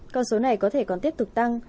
còn số này có thể còn tiếp tục tăng